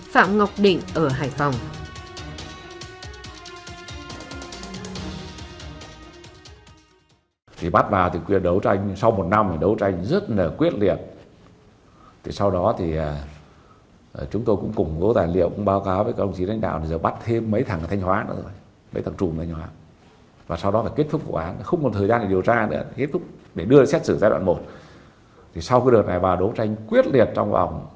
phạm ngọc định ở hải phòng